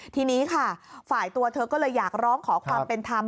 ทีนี้ค่ะฝ่ายตัวเธอก็เลยอยากร้องขอความเป็นธรรม